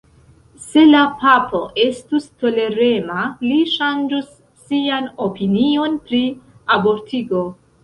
Se la papo estus tolerema, li ŝanĝus sian opinion pri abortigo.